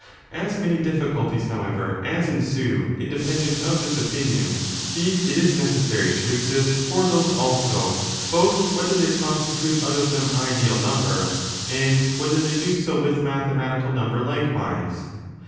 As many difficulties, however, as ensue independent of this opinion, these it is necessary should exist for those also both whether they constitute out of them ideal number, and whether they do so with mathematical number likewise.